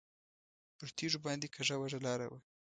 پر تیږو باندې کږه وږه لاره وه.